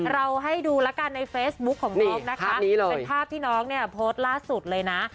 เราให้ดูแล้วกันในเฟซบุ๊คของน้องนะคะเป็นภาพที่น้องเนี่ยโพสต์ล่าสุดเลยนะ